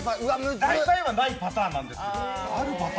大体はないパターンなんですよ。